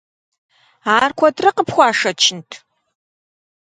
Ар куэдрэ къыпхуашэчынт?